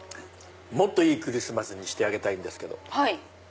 もっといいクリスマスにしてあげたいんですけど。